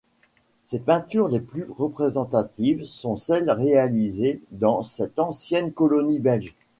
Ses peintures les plus représentatives sont celles réalisées dans cette ancienne colonie belge.